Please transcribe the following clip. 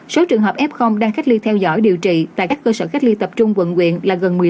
số trường hợp f đang cách ly theo dõi điều trị tại các cơ sở cách ly tập trung quận quyện là gần một mươi năm